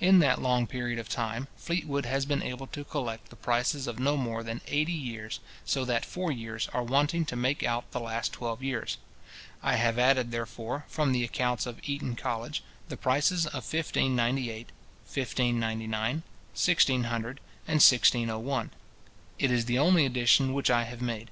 In that long period of time, Fleetwood has been able to collect the prices of no more than eighty years; so that four years are wanting to make out the last twelve years. I have added, therefore, from the accounts of Eton college, the prices of 1598, 1599, 1600, and 1601. It is the only addition which I have made.